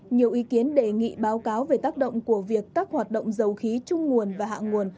nhiều ý kiến đề nghị báo cáo về tác động của việc các hoạt động dầu khí trung nguồn và hạ nguồn